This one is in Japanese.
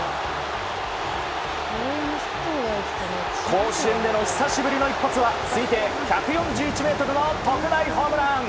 甲子園での久しぶりの一発は推定１４１ｍの特大ホームラン。